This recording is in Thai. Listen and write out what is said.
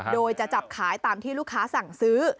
โดยจะจับขายตามที่ลูกค้าสั่งซื้อ